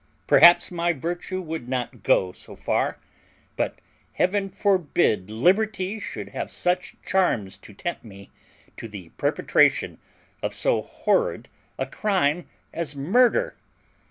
Perhaps my virtue would not go so far; but heaven forbid liberty should have such charms to tempt me to the perpetration of so horrid a crime as murder!